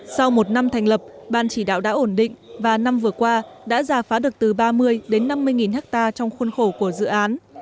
sau một năm thành lập ban chỉ đạo đã ổn định và năm vừa qua đã giả phá được từ ba mươi đến năm mươi ha trong khuôn khổ của dự án